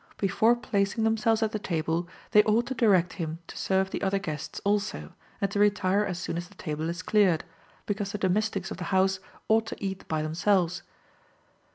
Before placing themselves at the table, they ought to direct him to serve the other guests also, and to retire as soon as the table is cleared, because the domestics of the house ought to eat by themselves.